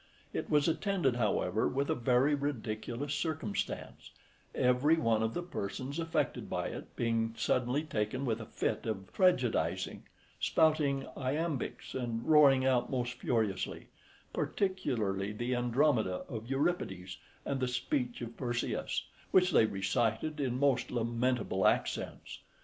It was attended, however, with a very ridiculous circumstance: every one of the persons affected by it being suddenly taken with a fit of tragedising, spouting iambics, and roaring out most furiously, particularly the Andromeda {18a} of Euripides, and the speech of Perseus, which they recited in most lamentable accents.